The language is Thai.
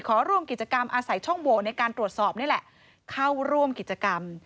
ขอร่วมกิจกรรมอาศัยช่องโหวในการตรวจสอบนี่แหละเข้าร่วมกิจกรรม